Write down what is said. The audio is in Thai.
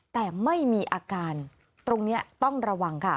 แต่ไม่มีอาการตรงนี้ต้องระวังค่ะ